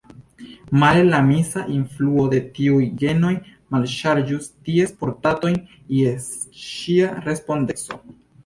Male: la misa influo de tiuj genoj malŝarĝus ties portantojn je ĉia respondeco!